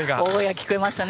聞こえましたね。